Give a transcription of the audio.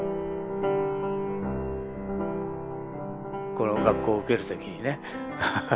この学校を受ける時にねハハハ。